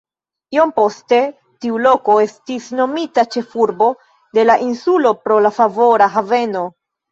Iom poste tiu loko estis nomita ĉefurbo de la insulo pro la favora haveno.